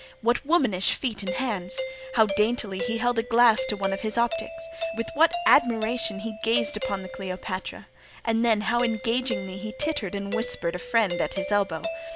What womanish feet and hands! How daintily he held a glass to one of his optics! with what admiration he gazed upon the Cleopatra! and then, how engagingly he tittered and whispered a friend at his elbow!